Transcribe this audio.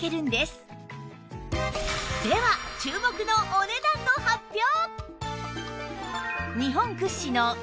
では注目のお値段の発表！